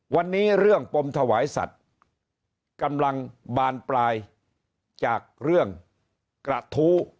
วันนี้เรื่องปมถวายสัตว์กำลังบานปลายจากเรื่องกระทู้